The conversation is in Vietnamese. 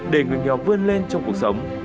để người nghèo vươn lên trong cuộc sống